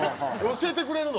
教えてくれるの？